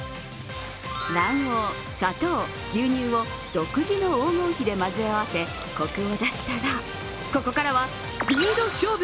卵黄、砂糖、牛乳を独自の黄金比で混ぜ合わせコクを出したらここからはスピード勝負！